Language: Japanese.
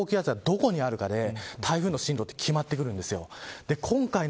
夏の太平洋高気圧がどこにあるかで台風の進路は決まってくるんです。